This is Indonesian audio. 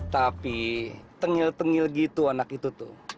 tapi tengil tengil gitu anak itu tuh